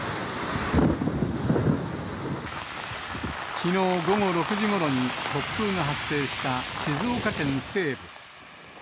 きのう午後６時ごろに、突風が発生した静岡県西部。